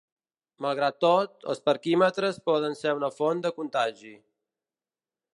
Malgrat tot, els parquímetres poden ser una font de contagi.